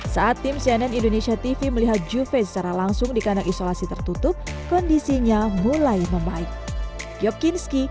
saat tim cnn indonesia tv melihat juve secara langsung di kandang isolasi tertutup kondisinya mulai membaik